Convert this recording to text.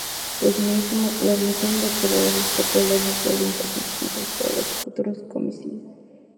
La misión de observadores destacó la necesidad de importantes mejoras para los futuros comicios.